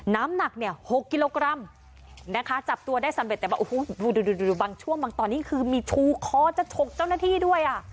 น้ำหนักเนี่ย๖กิโลกรัมนะคะจับตัวได้สำเร็จแต่ว่าโอ้โหดูบางช่วงบางตอนนี้คือมีชูคอจะฉกเจ้าหน้าที่ด้วยอ่ะ